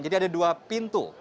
jadi ada dua pintu